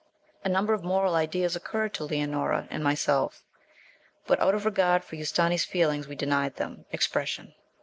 A number of moral ideas occurred to Leonora and myself, but out of regard for Ustâni's feelings we denied them expression.